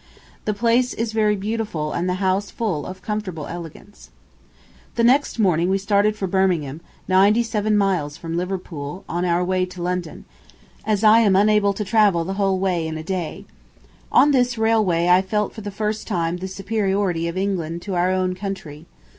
The place is very beautiful and the house full of comfortable elegance. [Picture: Aston Hall (Bracebridge Hall)] The next morning we started for Birmingham, ninety seven miles from Liverpool, on our way to London, as I am unable to travel the whole way in a day. On this railway I felt for the first time the superiority of England to our own country.